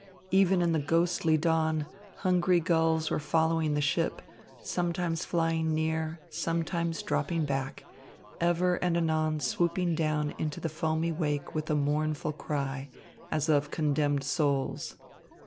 Even in the ghostly dawn, hungry gulls were following the ship, sometimes flying near, sometimes dropping back, ever and anon swooping down into the foamy wake with a mournful cry, as of condemned souls.